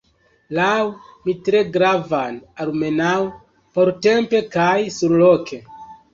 Laŭ mi tre gravan, almenaŭ portempe kaj surloke.